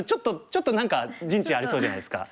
ちょっと何か陣地ありそうじゃないですか。